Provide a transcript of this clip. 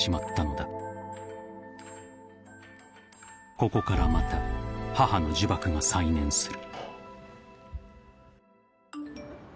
［ここからまた母の呪縛が再燃する］